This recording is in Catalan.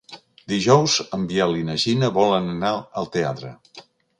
Dijous en Biel i na Gina volen anar al teatre.